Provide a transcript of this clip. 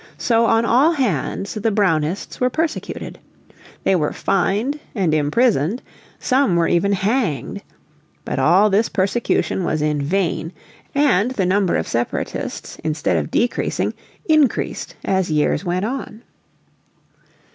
So on all hands the Brownists were persecuted. They were fined and imprisoned, some were even hanged. But all this persecution was in vain, and the number of Separatists instead of decreasing increased as years went on.